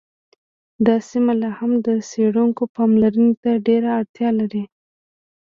دا سیمه لا هم د څیړونکو پاملرنې ته ډېره اړتیا لري